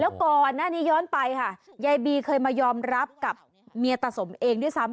แล้วก่อนหน้านี้ย้อนไปค่ะยายบีเคยมายอมรับกับเมียตาสมเองด้วยซ้ำ